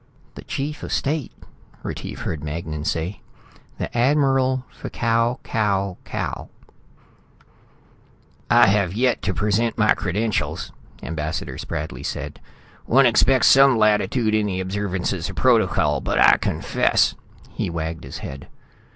"The Chief of State," Retief heard Magnan say. "The Admirable F'Kau Kau Kau." "I have yet to present my credentials," Ambassador Spradley said. "One expects some latitude in the observances of protocol, but I confess...." He wagged his head.